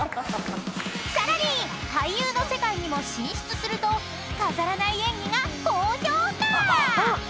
［さらに俳優の世界にも進出すると飾らない演技が高評価！］